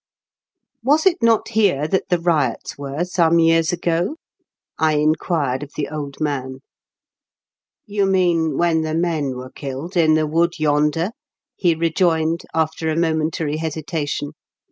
" Was is not here that the riots were some years ago ?" I inquired of the old man. You mean when the men were killed in the wood yonder?" he rejoined, after a momentary hesitation.